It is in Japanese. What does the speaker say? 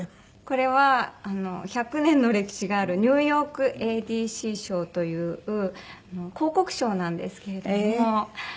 これは１００年の歴史があるニューヨークＡＤＣ賞という広告賞なんですけれども。